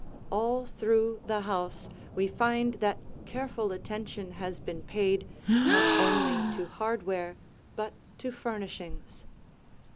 All through the house we find that careful attention has been paid not only to hardware but to furnishings.